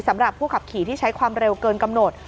สำหรับผู้ขับขี่ที่ใช้ความเร็วเกินกำหนด